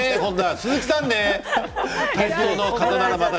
鈴木さんね。